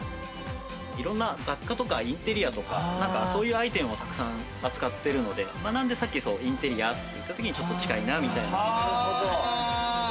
いろんな雑貨とかインテリアとか、そういうアイテムもたくさん扱っているので、なので、インテリアと言った時にちょっと近いなみたいな。